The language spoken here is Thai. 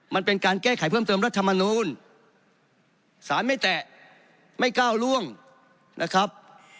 มันเป็นการแก้ไขเพิ่มเติมรัฐมนูลสารไม่แตะไม่ก้าวล่วงนะครับ